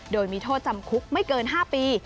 โดยมีโทษจำคุกไม่เกิน๕ปี